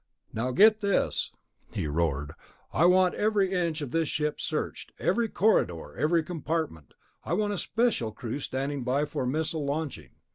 "Now get this," he roared. "I want every inch of this ship searched ... every corridor, every compartment. I want a special crew standing by for missile launching.